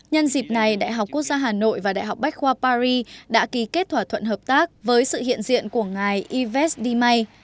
nhân dịp này đại học quốc gia hà nội và đại học bách khoa paris đã ký kết thỏa thuận hợp tác với sự hiện diện của ngài ives de may